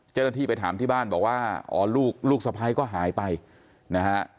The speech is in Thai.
ไปถามที่บ้านบอกว่าอ๋อลูกลูกสะพ้ายก็หายไปนะฮะ